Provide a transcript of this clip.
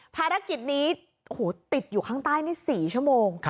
ภารกิจนี้ติดอยู่ข้างใต้นี่๔ชั่วโมง